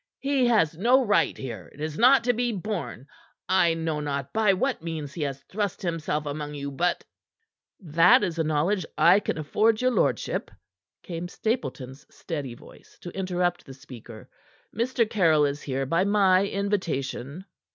"He has no right here. It is not to be borne. I know not by what means he has thrust himself among you, but " "That is a knowledge I can afford your lordship," came Stapleton's steady voice to interrupt the speaker. "Mr. Caryll is here by my invitation."